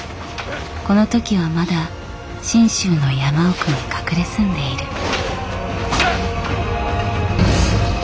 この時はまだ信州の山奥に隠れ住んでいる。